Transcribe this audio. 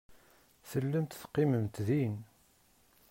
Tellamt teqqimemt din.